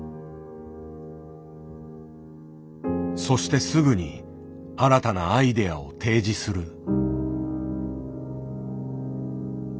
そしてすぐに新たなアイデアを提示する。